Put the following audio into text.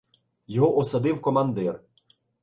Його осадив командир.